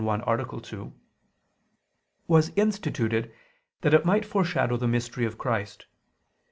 2), was instituted that it might foreshadow the mystery of Christ.